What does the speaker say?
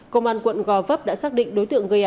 công an quận gò vấp đã xác định đối tượng gây áp sát